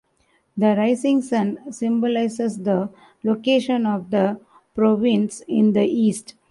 The rising sun symbolizes the location of the province in the east.